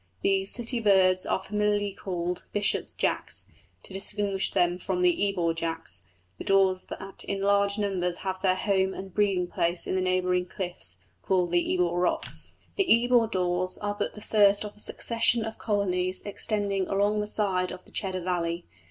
These city birds are familiarly called "Bishop's Jacks," to distinguish them from the "Ebor Jacks," the daws that in large numbers have their home and breeding place in the neighbouring cliffs, called the Ebor Rocks. The Ebor daws are but the first of a succession of colonies extending along the side of the Cheddar valley.